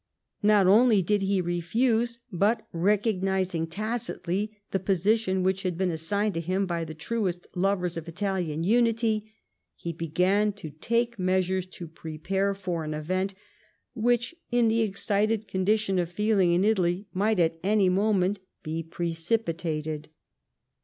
Not only did be refuse, but recognising tacitly tbe posi tion which bad been assigned to him by the truest lovers of Italian unity, he began to take measures to prepare for an event which, in the excited condition of feeling in Italy, might at any moment be ])recipitated.